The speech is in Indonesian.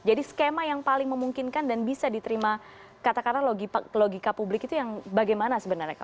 jadi skema yang paling memungkinkan dan bisa diterima kata kata logika publik itu yang bagaimana